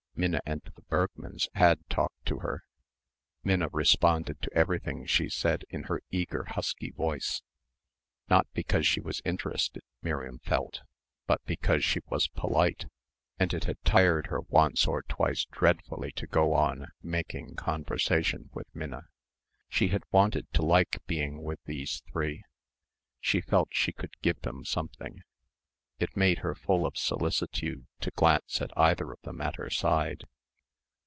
Minna and the Bergmanns had talked to her. Minna responded to everything she said in her eager husky voice not because she was interested Miriam felt, but because she was polite, and it had tired her once or twice dreadfully to go on "making conversation" with Minna. She had wanted to like being with these three. She felt she could give them something. It made her full of solicitude to glance at either of them at her side.